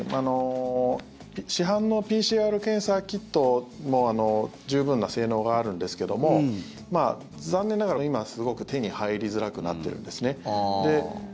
市販のＰＣＲ検査キットも十分な性能があるんですけども残念ながら、今すごく手に入りづらくなってるんです。